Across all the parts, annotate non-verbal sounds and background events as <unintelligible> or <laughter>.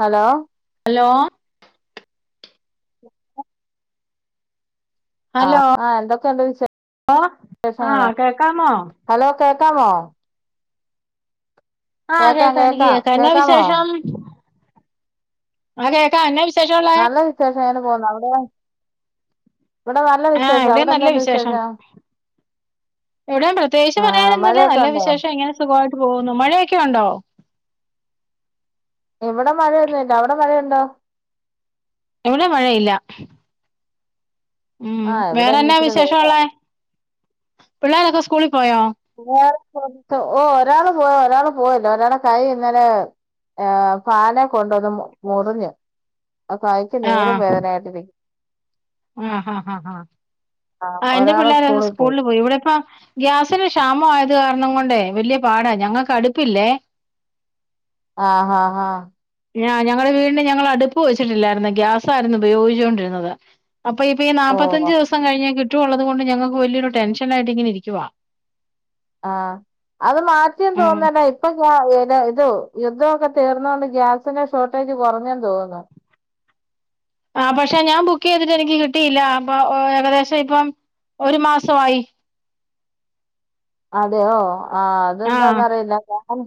Hello hello ഉ hello ആഹ് ആഹ് എന്തൊക്കെയുണ്ട് വിശ ആഹ് വിശേഷങ്ങ കേക്കാമോ ഹലോ കേക്കാമോ ആഹ് കേക്കാം എനിക്ക് കേക്കാം എഞ്ഞാ വിശേഷം ആ കേക്കാ എഞ്ഞാവിശേഷം നല്ല വിശേഷം അങ്ങനെ പോന്നൂ അവ്ടെ ഇവിടെ നല്ല വിശേഷം അവിടെ എന്ത്ണ്ട് വിശേഷം ഇവടെ പ്രത്യേകിച്ച് ആഹ് പറയാനൊന്നുല്ല മഴയൊക്കെ നല്ല ഉണ്ടോ വിശേഷം എങ്ങന സുഖമായിട്ട് പോകുന്നു മഴയൊക്കെ ഉണ്ടോ ഇവടെ മഴയൊന്നുല്ല അവിടെ മഴയുണ്ടോ ഇവിടെം മഴയില്ല ഉം ആഹ് ഇവിടെ വേറെ ഇന്ന് എഞ്ഞാ ഇച്ചിരി വെയിലാ വിശേഷാെള്ളെ പിള്ളേരൊക്കെ സ്കൂളിൽ പോയോ <unintelligible> ഓഹ് ഒരാള് പോയി ഒരാള് പോയില്ല ഒരാള് കൈ ഇന്നല ഏ് ഫാനെ കൊണ്ട ഒന്ന് മു മുറിഞ്ഞ് ഈ നേരം ആഹ് വേദനായിട്ട് നിക്ക് ആഹ് ഹാ ഹാ ആഹ് എന്റെ പിള്ളേരങ് സ്കൂളില് പോയി ഇവിടെപ്പ ഗ്യാസിന് ക്ഷാമ ആയത് കാരണം കൊണ്ടേ വലിയ പാടാ ഞങ്ങക്ക് അടുപ്പില്ലേ ആഹ് ആഹ് ആഹ് ഞ ഞങ്ങളെ വീടിന് ഞങ്ങള് അടുപ്പ് വെച്ചിട്ടില്ലായിരുന്നു ഗ്യാസായിരുന്നു ഉപയോഗിച്ചോണ്ടിരുന്നത് അപ്പൊ ഇപ്പ ഈ നാപ്പത്തഞ്ച് ദിവസം ഓ കഴിഞ്ഞാ കിട്ടുവാെള്ളത് കൊണ്ട് ഞങ്ങൾക്ക് വല്ല്യരു ടെൻഷൻായിട്ട് ഇങ്ങന ഇരിക്കുവാ ആഹ് അത് മാറ്റിം തോന്നല്ലെ ഇപ്പൊ ഇത് യുദ്ധമൊക്കെ തീർന്നോണ്ട് ഗ്യാസ് <unintelligible> ഷോർട്ടേജ് കാെറഞെന്ന് തോന്നുന്നു ആഹ് പക്ഷെ ഞാൻ ബുക്കെയ്തിട്ട് എനിക്ക് കിട്ടിയില്ല അപ്പൊ ഏകദേശം ഇപ്പം ഒരു മാസമായി അതെയോ ആഹ് ആഹ് അതെന്താന്നറിയില്ല ഞാൻ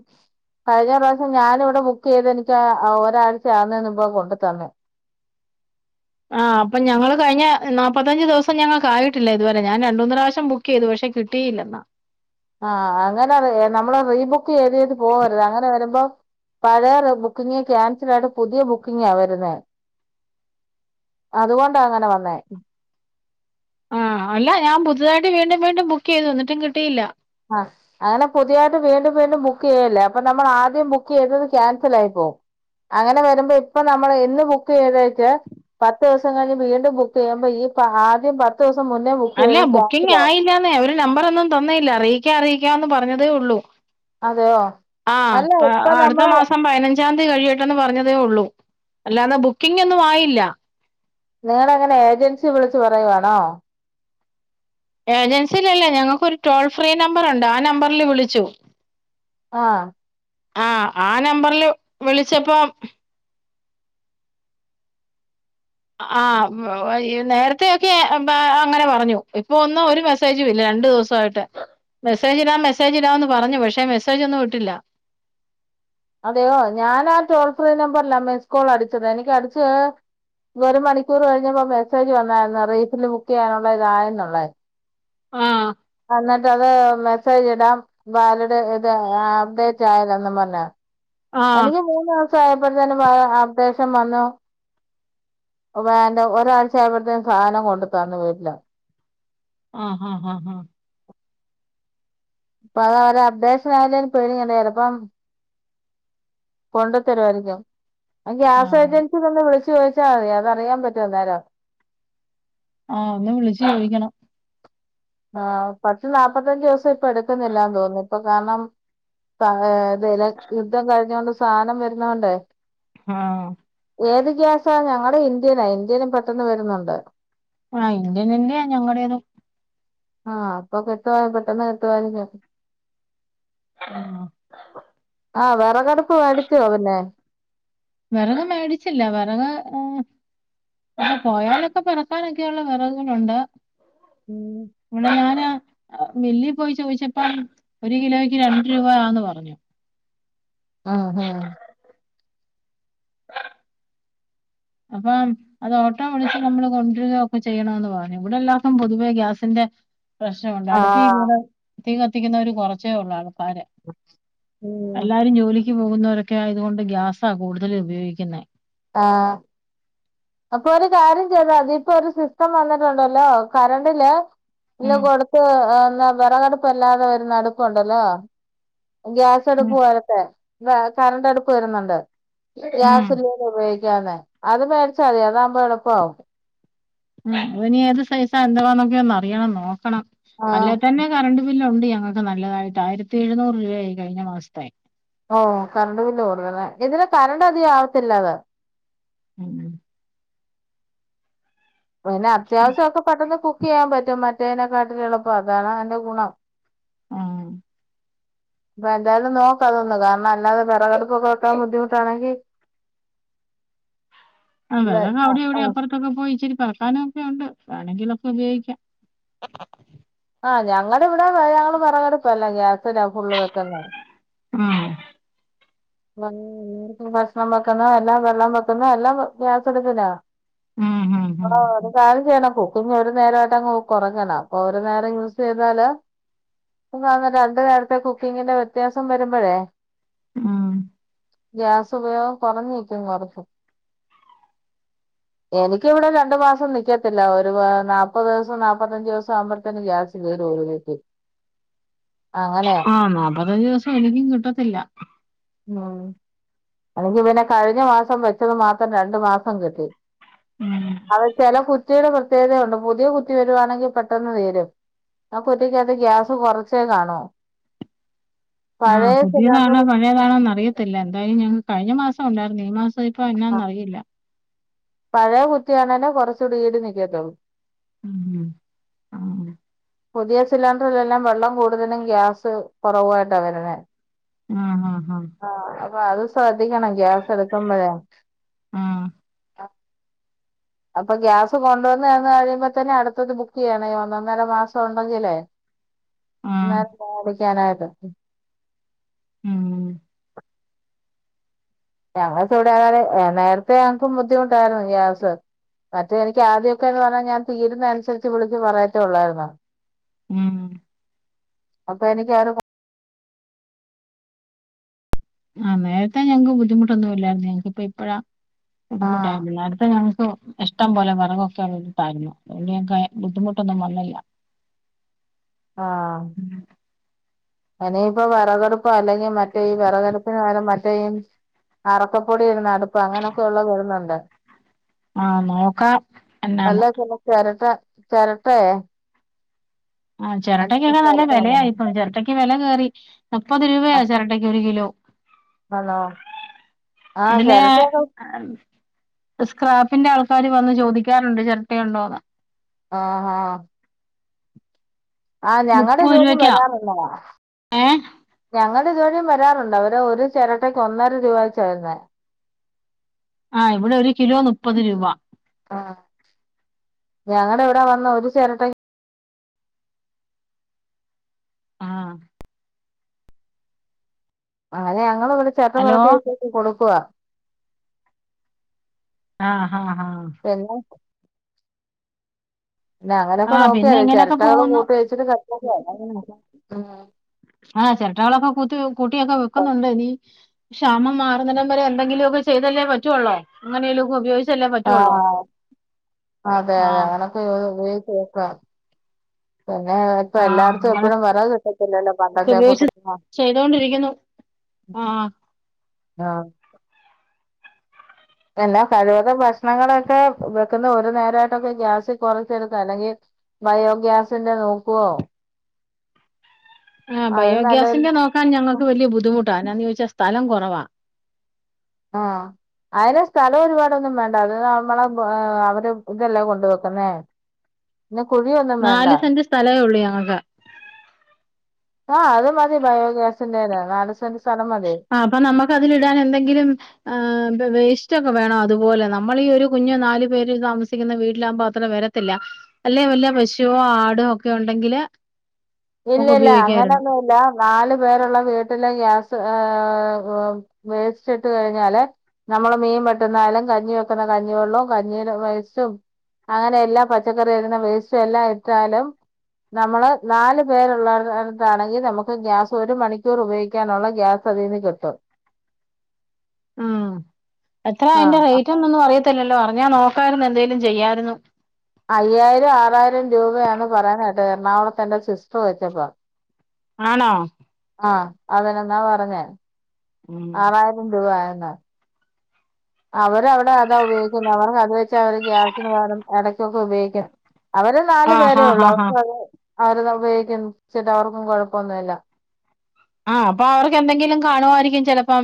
കഴിഞ്ഞ പ്രാവശ്യം ഞാനിവിടെ ബുക്ക് ചെയ്ത് എനിക്കാഒരാഴ്ച ആവുന്നേന് മുമ്പാ കൊണ്ടു തന്നെ ആഹ് അപ്പം ഞങ്ങള് കഴിഞ്ഞ നാൽപ്പത്തഞ്ച് ദിവസം ഞങ്ങക്ക് ആയിട്ടില്ല ഇതുവരെ ഞൻ രണ്ട്മൂന്ന് പ്രാവശ്യം ബുക്ക് ക്കെയ്തു പക്ഷെ കിട്ടിയില്ലെന്നാ ആഹ് അങ്ങനെ റെ നമ്മള് റീബുക്ക് ചെയ്തത് പോവരുത് അങ്ങനെ വരുമ്പോ പഴയ ബുക്കിംങ് ക്യാൻസൽ ആയിട്ട് പുതിയ ബുക്കിങ്ങാ വരുന്നെ അതുകൊണ്ടാ അങ്ങനെ വന്നേ ആഹ് അല്ല ഞാൻ പുതുതായിട്ട് വീണ്ടും വീണ്ടും ബുക്ക് ചെയ്ത് എന്നിട്ടും കിട്ടിയില്ല ആഹ് അങ്ങനെ പുത്യായിട്ട് വീണ്ടും വീണ്ടും ബുക്ക് ചെയ്യല്ലേ അപ്പൊ നമ്മള് ആദ്യം ബുക്ക് ചെയ്തത് ക്യാൻസൽ ആയിപ്പോവും അങ്ങനെ വരുമ്പോ ഇപ്പൊ നമ്മൾ ഇന്ന് ബുക്ക് ചെയ്തേച്ചാ പത്തൂസം കഴിഞ്ഞ് വീണ്ടും ബുക്ക് ചെയ്യുമ്പോ ഈ ആദ്യം പത്ത് ദിവസം മുന്നേ ബുക്ക് ചെയ്തത് ക്യാൻസൽ ആകും ഇല്ലാന്നേ അവര് നമ്പറൊന്നും തന്നേയില്ല അറിയിക്കാ അറിയിക്കാന്ന് പറഞ്ഞതേ ഒള്ളൂ അതെയോ ആഹ് അല്ല പ്പ ഇപ്പൊ അട്ത്ത നമ്മള് മാസം പയ്നഞ്ച് നഞ്ചാന്തി കഴിയട്ടെന്ന് പറഞ്ഞതേ ഒള്ളൂ അല്ലാതെ ബുക്കിംഗ് ഒന്നും ആയില്ല നിങ്ങള അങ്ങനെ ഏജൻസി വിളിച്ച് പറയുവാണോ ഏജൻസിഞ്ഞുല്ലാ ഞങ്ങക്കൊരു ടോൾ ഫ്രീ നമ്പറുണ്ട് ആ നമ്പറില് വിളിച്ചു ആഹ് ആഹ് ആ നമ്പറില് വിളിച്ചപ്പോ ആഹ് നേരത്തെയൊക്കെ അങ്ങനെ പറഞ്ഞൂ ഇപ്പൊ ഒന്ന് ഒരു മേസ് മെസ്സേജും ഇല്ല രണ്ട് ദിവസമായിട്ട് മെസ്സേജ് ഇടാം മെസ്സേജ് ഇടാംന്ന് പറഞ്ഞു പക്ഷേ മെസ്സേജ് ഒന്നും ഇട്ടില്ല അതെയോ ഞാൻ ആ ടോൾ ഫ്രീ നമ്പറിലാ മിസ്കോൾ അടിച്ചത് എനിക്ക് അടിച്ച് ഒരു മണിക്കൂറ് കഴിഞ്ഞപ്പോ മെസ്സേജ് വന്നായിരുന്നു റീഫില്ല് ബുക്കെയ്യാനുള്ളതായെന്നുള്ളേ ആഹ് അന്നിട്ട് അത് മെസ്സേജ് ഇടാം വാലിഡ് ഇത് അപ്ഡേറ്റ് ആയില്ലെന്നും പറഞ്ഞ് ആഹ് എനിക്ക് മൂന്ന് സായപ്പോതന്നെ അ അപ്ഡേഷൻ വന്നു വേന്റെ ഒരാഴ്ച ആയപ്പോഴത്തേക്കും സാനം കൊണ്ടുത്തന്നു വീട്ട്ല് ആഹ് ഹാഹാഹ് അത് അവരെ അപ്ഡേഷൻ ആയില്ലേൽ പേടിക്കണ്ട ചെലപ്പം കൊണ്ടുത്തരുവായിരിക്കും ആ ഗ്യാസ് ആഹ് ഏജൻസീല് ഒന്ന് വിളിച്ചു ചോദിച്ചാ മതി അത് അറിയാൻ പറ്റും അന്നേരം ആഹ് ഒന്ന് വിളിച്ചു ചോദിക്കണം ആഹ് പത്ത് നാപ്പത്തഞ്ച് ദെവസം ഇപ്പ എടുക്കുന്നില്ലാന്ന് തോന്നുന്നു ഇപ്പ കാരണം- <unintelligible> യുദ്ധം കഴിഞ്ഞോണ്ട് സാധനം വരുന്നോണ്ടേ- ആഹ് ഏത് ഗ്യാസാ ഞങ്ങടെ ഇന്ത്യൻ ആ ഇന്ത്യനും പെട്ടെന്ന് വരുന്നുണ്ട് ആ ഇന്ത്യൻ തന്നെയാ ഞങ്ങടേതും ആഹ് അപ്പൊ കിട്ടുവാണേ പെട്ടെന്ന് കിട്ടുവായിരിക്കും <inaudible> ആഹ് വെറകടുപ്പ് മെടിച്ചോ പിന്നെ വെറക് മേടിച്ചില്ല വെറക് ഉം പോയാലൊക്കെ പെറുക്കാനൊക്കെയുള്ള വെറകുകളൊണ്ട് ഉം ഇവടെ ഞാന് മില്ലീ പോയി ചോയിച്ചപ്പം ഒരു കിലോയ്ക്ക് രണ്ട് രൂപായാന്ന് പറഞ്ഞു ആഹ് ആഹ് അപ്പം അത് ഓട്ടോ വിളിച്ച് നമ്മള് കൊണ്ടരികയൊക്കെ ചെയ്യണന്ന് പറഞ്ഞു ഇവിടെ എല്ലാർക്കും പൊതുവേ ഗ്യാസിന്റെ- പ്രശ്നൊണ്ട് ആ അടുപ്പി തീ കത്തിക്കുന്നവര് കൊറച്ചേയുള്ളൂ ആൾക്കാര് ഉം എല്ലാരും ജോലിക്ക് പോകുന്നവരൊക്കെ ആയതുകൊണ്ട് ഗ്യാസാ കൂടുതല് ഉപയോഗിക്കുന്നേ ആഹ് അപ്പൊ ഒരു കാര്യം ചെയ്താ മതി ഇപ്പോ ഒരു സിസ്റ്റം വന്നിട്ടുണ്ടല്ലോ കരണ്ടില് വെല്ലോം ഉം കൊടുത്ത് വെറകടുപ്പല്ലാതെ വരുന്ന അടുപ്പ്ണ്ടല്ലോ ഗ്യാസ് അടുപ്പ് ഉം പോലത്തേ കറണ്ട് അടുപ്പ് വരുന്നുണ്ട് ഉം ഗ്യാസ് ഉപയോഗിക്കാതെ അത് മേടിച്ചാ മതി അതാവുമ്പോ എളുപ്പാവും ഉം അത് എനി ഏത് സൈസാ എന്തുവാന്നൊക്കെ ഒന്ന് അറിയണം നോക്കണം ആഹ് അല്ലേ തന്നെ- കറണ്ട് ബില്ല് ഒണ്ട് ഞങ്ങൾക്ക് നല്ലതായിട്ട് ആയിരത്തി എഴുന്നൂറ് രൂപയായി കഴിഞ്ഞ മാസത്തെ- ഓഹ് കറണ്ട് ബില്ല് കൂടുതല് ഇതിന് കറണ്ട് അധിക ആവത്തില്ല അത് ഉം ഉം പിന്നെ അത്യാവശ്യൊക്കെ പെട്ടെന്ന് കുക്ക് ചെയ്യാൻ പറ്റും മറ്റേതിനെക്കാട്ടിലും എളുപ്പം അതാണ് അതിന്റെ ഗുണം ആഹ് ഇപ്പ എന്തായാലും നോക്കാം അതൊന്ന് കാരണം അല്ലാതെ വെറകടുപ്പൊക്കെ വെക്കാൻ ബുദ്ധിമുട്ടാണെങ്കി- ആഹ് ഇത് വെറക് അവിടെ ഇവിടെ ആഹ് അപ്പറ- ത്തൊക്കെ പോയി ഇച്ചിരി പറക്കാനൊക്കയിണ്ട് വേണെങ്കിലൊക്കെ ഉപയോഗിക്കാം ആ ഞങ്ങടവിടെ ഞങ്ങള് വെറക് അടുപ്പ്‌ അല്ല ഗ്യാസിനാ ഫുള്ള് വെക്കുന്നേ ഉം എല്ലാർക്കും ഭക്ഷണം വെക്കണം എല്ലാം വെള്ളം വെക്കുന്ന എല്ലാം ഗ്യാസ് അടുപ്പില ഉം ഉം ഉം <unintelligible> കുക്കിങ് ഒരു നേരായിട്ട് കൊറങ്ങണം അപ്പൊ ഒരു നേരം യൂസ് ചെയ്താല്- രണ്ട് നേരത്തെ കുക്കിങ്ങിന്റെ വ്യത്യാസം വരുമ്പഴേ- ഉം ഗ്യാസ് ഉപയോഗം കൊറഞ്ഞിരിക്കും കൊറച്ച് എനിക്കിവിടെ രണ്ടു മാസം നിക്കത്തില്ല ഒരു നാപ്പത് ദിവസം നാല്പ്പത്തഞ്ചു ദിവസം ആവുമ്പോഴത്തേന് ഗ്യാസ്- <unintelligible> അങ്ങനെ അനോ നാപ്പത്തഞ്ചു ദെവസം എനിക്കും കിട്ടത്തില്ല ഓഹ് അല്ലെങ്കി പിന്നെ കഴിഞ്ഞ മാസം വെച്ചത് മാത്രം രണ്ടു മാസം കിട്ടി ഉം അത് ചെല കുറ്റികളുടെ പ്രത്യേകതയുണ്ട് പുതിയ കുറ്റി വരുവാണെങ്കിൽ പെട്ടെന്ന് തീരും ആ കുറ്റിക്കാത്ത് ഗ്യാസ് കുറച്ചേ കാണൂ <inaudible> ആഹ പഴയ സിലിണ്ടർ പുതിയതാണോ പഴയതാണോന്ന് അറിയത്തില്ല എന്തായാലും ഞങ്ങക്ക് കഴിഞ്ഞ മാസം ഉണ്ടായിരുന്നു ഈ മാസം ഇപ്പ ഇപ്പ എന്നാന്ന് അറിയില്ല പഴയ കുറ്റിയാണെലെ കുറച്ചൂടി ഈട് നിക്കത്തൊള്ളൂ ഉം ആ പുതിയ സിലിണ്ടറിലെല്ലാം വെള്ളം കൂടുതലും ഗ്യാസ് കുറവായിട്ടാ വരുന്നെ ആ ആഹ ആ അപ്പൊ അത് ശ്രദ്ധിക്കണം ഗ്യാസ് എടുക്കുമ്പോഴേ <inaudible> അപ്പൊ ഗ്യാസ് കൊണ്ടുവന്നെന്ന് കഴിയുമ്പോ തന്നെ അടുത്തത് ബുക്ക് ചെയ്യണ ഈ ഒന്നര മാസം ഉണ്ടെങ്കിലേ <inaudible> ആഹ് <unintelligible> ഉം ഞങ്ങൾക്കിവിടെ <unintelligible> നേരത്തെ ഞങ്ങക്കും ബുദ്ധിമുട്ടായിരുന്നു ഗ്യാസ് മറ്റേ എനിക്ക് ആദ്യമൊക്കെ എന്ന് പറഞ്ഞാൽ ഞാൻ തീരുന്ന അനുസരിച്ച് വിളിച്ച് പറയത്തേ ഉള്ളായിരുന്നു ഉം അപ്പൊ എനിക്ക് ആര് ആഹ നേരത്തെ ഞങ്ങക്ക് ബുദ്ധിമുട്ടൊന്നും ഇല്ലായിരുന്നു ഞങ്ങക്ക് ഇപ്പോ ഇപ്പഴാ ആഹ് ബുദ്ധിമുട്ടായിരുന്നു നേരത്തെ ഞങ്ങക്ക് ഇഷ്ടം പോലെ വിറകൊക്കെ വെട്ടിയിട്ടാരുന്നു അതുകൊണ്ട് ഞങ്ങക്ക് ബുദ്ധിമുട്ടൊന്നും വന്നില്ല <inaudible> ആഹ <inaudible> എനിയിപ്പ വിറകടുപ്പ് അല്ലെങ്കിൽ മറ്റേഈ വിറകടുപ്പിന് പകരം മറ്റേ ഈ അറക്കപ്പൊടി ഇടുന്ന അടുപ്പ് അങ്ങനൊക്കെ ഉള്ളത് വരുന്നുണ്ട് ആഹ നോക്കാം എന്നാന്ന് അല്ലേ പിന്നെ ചിരട്ട ചിരട്ടയെ ആ ചിരട്ടക്കൊക്കെ അടുപ്പ് നല്ല ചിരട്ട അങ്ങനെ വിലയായിപ്പോ ചിരട്ടക്ക് വില കയറി മുപ്പത് ആ, രൂപയാ ചിരട്ടയ്ക്ക് ഒരു കിലോ ആണോ ആഹ് ഇതിനെ ചിരട്ടയൊക്കെ സ്ക്രാപ്പിന്റെ ആൾക്കാര് വന്ന് ചോദിക്കാറുണ്ട് ചിരട്ടയുണ്ടോന്ന് ആഹ ആഹ ആഹ ഞങ്ങളുടെ മുപ്പത് ജോലി രൂപക്കാ വരാനുള്ളതാ ഏഹ് ഞങ്ങടെ ഇതുവഴിയും വരാറുണ്ട് അവര് ഒരു ചിരട്ടക്ക് ഒന്നാര രൂപ വച്ചായിരുന്നേ ആഹ് ഇവിടെ ഒരു കിലോ മുപ്പത് രൂപ ആ ഞങ്ങടെ ഇവിട വന്ന് ഒരു ചെരട്ട ആഹ അങ്ങനെ ഞങ്ങൾ ഇവിടെ ചെരട്ട ഹലോ നിറച്ച് വെച്ച് കൊടുക്കുവാ ആഹ ഹ ഹ <unintelligible> പിന്ന അങ്ങനെയൊക്കെ ആഹ് പിന്നെ നോക്കിയാലേ ഇങ്ങനെയൊക്കെ ചിരട്ടകള് പോകുന്നു കൂട്ട് വെച്ചിട്ട് <unintelligible> ആഹ് ചെരട്ടകളൊക്കെ ക്കൊത്തി കൂട്ടിയൊക്കെ വെക്കുന്നൊണ്ടിനി ക്ഷാമം മാറുന്നടം വരെയെന്തെങ്കിലുവൊക്കെ ചെയ്തല്ലേ പറ്റുവൊള്ളൂ എങ്ങനേലുവൊക്കെ ഉപയോഗി ആഹ് അതെ അതെ ആഹ് അങ്ങനെ <unintelligible> പിന്നേ ഇപ്പൊ ആഹ് എല്ലാട്ത്തും എപ്പഴും അങ്ങനൊക്കെ വെറക് കിട്ടത്തില്ലല്ലോ പണ്ടത്തെക്കൂട്ട് ഉപയോഗിച്ച് ന്നെ ചെയ്തോണ്ടിരിക്കുന്നു ആഹ് ആഹ അല്ലാ കഴിവതും ഭക്ഷ്ണങ്ങളൊക്കെ വെക്കുന്ന ഒര് നേരവായിട്ടൊക്കെ ഗ്യാസ് കൊറച്ചെടുക്ക അല്ലെങ്കി ബയോഗ്യാസിന്റെ നോക്ക്വോ ആഹ് അത് നല്ലൊരു ബയോഗ്യാസിന്റെ നോക്കാൻ ഞങ്ങക്ക് വല്യെ ബുദ്ധിമുട്ടാ അതെന്നാന്ന് ചോയ്ച്ചാ സ്ഥലം കൊറവാ ആഹ് അയ്ന് സ്ഥലവൊര്പാടൊന്നും വേണ്ട അത് നമ്മളെ അവര് ഇതല്ലേ കൊണ്ട് വെക്ക്ന്നേ പിന്നെ കുഴിയുവല്ല നാല് സെന്റ് സ്ഥലവേ ഒള്ളു ഞങ്ങക്ക് ആഹ് അത് മതി ബയോഗ്യാസിന്റേന് നാല് സെന്റ് സ്ഥലം മതി ആഹ് അപ്പ നമ്മക്കതിലിടാനെന്തെങ്കിലും ഏഹ് വേസ്റ്റൊക്കെ വേണം അതുപോലെ നമ്മളീ ഒരു കുഞ്ഞ് നാല് പേര് താമസിക്ക്ന്ന വീട്ട്ലാവുമ്പ അ അത്ര വരത്തില്ല അല്ലേ വല്ല പശുവോ ആടോ ഒക്കെ ഒണ്ടെങ്കില് ഇല്ലില്ല അങ്ങനെയൊന്നൂല്ല നാല് പേരൊള്ള വീട്ടിലെ ഗ്യാസ് ഏഹ് വേസ്റ്റിട്ട് കഴിഞ്ഞാല് നമ്മള് മീൻ വെട്ടുന്നായാലും കഞ്ഞി വെക്കുന്ന കഞ്ഞിവെള്ളോം കഞ്ഞീലെ വേസ്റ്റും അങ്ങനെ എല്ലാ പച്ചക്കറിയരിയ്ന്ന വേസ്റ്റ് എല്ലാ ഇട്ടാലും നമ്മളെ നാല് പേരുള്ളെട്ത്താണെങ്കി നമുക്ക് ഗ്യാസ് ഒരു മണിക്കൂർ ഉപയോഗിക്കാനൊള്ള ഗ്യാസ് അതീന്ന് കിട്ടും എത്രാ അയ്ന്റെ ആഹ് അപ്പൊ റേറ്റുംതൊന്നും അറിയത്തില്ലല്ലോ അറിഞ്ഞാ നോക്കായ്ര്ന്ന് എന്തേലും ചെയ്യാര്ന്നു അയ്യായിരം ആറായിരം രൂപയാന്ന് പറയണ കേട്ടെ എർണാകുളത്തെന്റെ സിസ്റ്റർ വെച്ചപ്പൊ ആണോ ആഹ് അത് തന്നെന്നാ പറഞ്ഞേ ഉം ആറായിരം രൂപ ആയെന്ന് അവരവ്ടെ അതാ ഉപയോഗിക്ക്ന്നെ അവർക്കത് വെച്ചവര് ഗ്യാസിന് പകരം ഇടയ്ക്കൊക്കെ ഉപയോഗിക്കും അവര് നാല് ആഹ് പേരേ ഹാ ഒള്ളൂ ഹാ ഹാ അവർക്കത് അവരത് ഉപയോഗിക്കിച്ച്ട്ട് അവർക്കും കൊഴപ്പൊന്നുവില്ല ആഹ് അപ്പവർക്കെന്തെങ്കിലും കാണുവായിരിക്കും ചേലപ്പം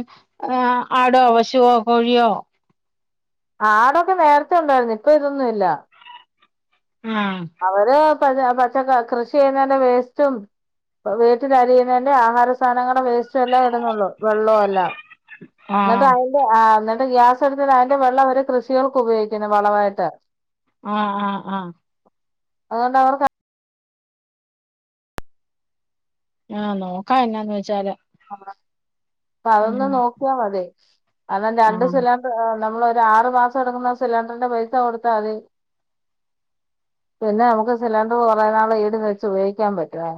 ആഹ്. ആടോ പശുവോ കോഴിയോ ആടൊക്കെ നേരത്തെ ഒണ്ടായിര്ന്ന് ഇപ്പൊ ഇതൊന്നുവില്ല ആഹ് അവര് പച്ച പച്ചക്ക കൃഷി ചെയ്യുന്നേന്റെ വേസ്റ്റും വീട്ടിലരിയുന്നേന്റെം ആഹാര സാനങ്ങടെ വേസ്റ്റുവെല്ലാം ഇട്ന്നൊള്ളൂ വെള്ളവുവെല്ലാം ന്നട്ട് ആഹ് അയ്ന്റെ ആഹ് ന്നട്ട് ഗ്യാസ് എടുത്തിട്ടയ്ന്റെ വെള്ളവര് കൃഷികൾക്കുപയോഗിക്കും പിന്നെ വളവായിട്ട് ആഹ് ആഹ് ആഹ് അതോണ്ടവർക്ക ആഹ് നോക്കാ എന്നാന്ന് വെച്ചാല് അപ്പതൊന്ന് ഉം നോക്ക്യാ മതി കാര്ണം രണ്ട് ആഹ് സിലാൺ നമ്മളൊര് ആറ് മാസവെട്ക്കുന്ന സിലണ്ട്റിന്റെ പൈസ കൊട്ത്താവതി പിന്നെ നമുക്ക് സിലണ്ട്ർ കൊറേ നാള് ഈട് വെച്ച് ഉപയോഗിക്കാൻ പറ്റും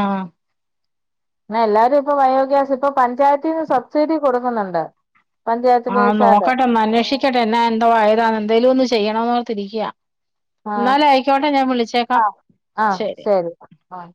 ആഹ് എല്ലാരുവിപ്പൊ ബയോഗ്യാസ് ഇപ്പൊ പഞ്ചായത്തീന്ന് സബ്സീഡി കൊട്ക്കുന്നൊണ്ട് ആഹ് നോക്കട്ടൊന്നന്വേഷിക്കട്ടെ എന്നാ എന്തോ ഏതാന്നെന്തേലുവൊന്ന് ചെയ്യണോന്നോർത്തിര്ക്ക്യാ ആഹ് ന്നാലായ്ക്കോട്ടെ ഞാൻ വിളിച്ചേക്കാം ആഹ് ആഹ് ശെരി ശരി ആഹ്